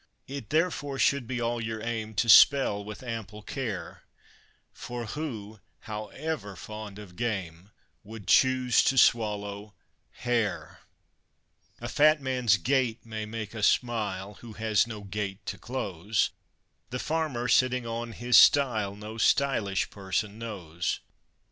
It therefore should be all your aim to spell with ample care; For who, however fond of game, would choose to swallow hair? A fat man's gait may make us smile, who has no gate to close; The farmer, sitting on his stile no _sty_lish person knows.